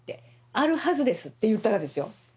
「あるはずです」って言うたがですよ。